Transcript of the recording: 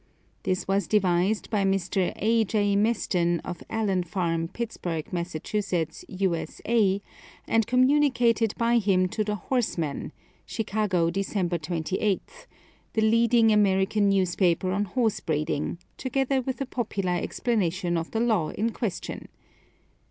This was devised by Mr. A. J. Meston, of Allen P'arm, Pittsburg, Mass., U.S.A., and communicated by him to the Horseman (Chicago, December 28), the leading American newspaper on horsebreeding, together with a popular explanation of the law in question.